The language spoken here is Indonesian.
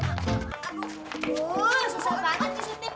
aduh susah banget nih sunit